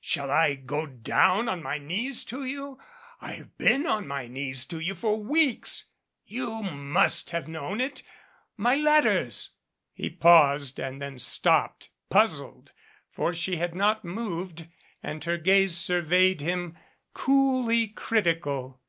Shall I go down on my knees to you. I have been on my knees to you for weeks you must have known it. My letters " He paused and then stopped, puzzled, for she had not moved and her gaze surveyed him, coolly critical.